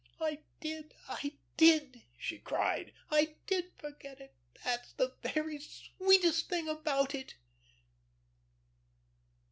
"I did. I did," she cried. "I did forget it. That's the very sweetest thing about it."